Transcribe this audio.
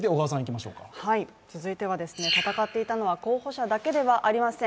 戦っていたのは候補者だけではありません。